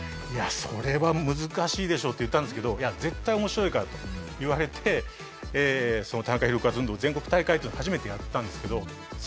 いや「それは難しいでしょ」って言ったんですけど「いや絶対面白いから！」と言われて田中宏和運動全国大会っていうのを初めてやったんですけど。